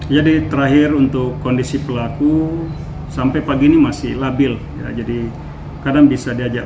jadi terakhir untuk kondisi pelaku sampai pagi ini masih labil jadi kadang bisa diajak